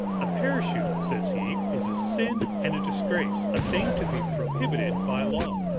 A parachute, says he, is a sin and a disgrace a thing to be prohibited by law.